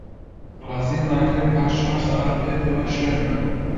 ڕازیمان کرد پاش چوار سەعات بێتەوە شوێنمان